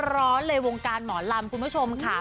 ร้อนเลยวงการหมอลำคุณผู้ชมค่ะ